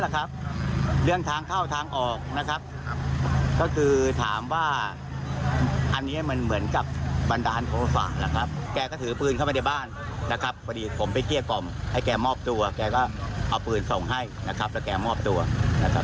แกก็ถือปืนเข้ามาในบ้านนะครับพอดีผมไปเกี้ยกล่อมให้แกมอบตัวแกก็เอาปืนส่งให้นะครับแล้วแกมอบตัวนะครับ